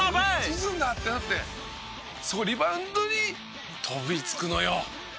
「打つんだってなってそのリバウンドに跳びつくのよ」